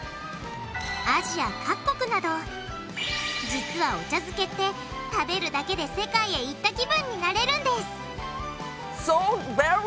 実はお茶漬けって食べるだけで世界へ行った気分になれるんです！